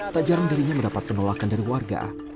tak jarang darinya mendapat penolakan dari warga